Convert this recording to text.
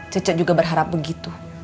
cece juga berharap begitu